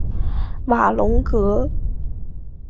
瓦龙格。